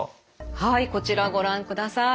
はいこちらご覧ください。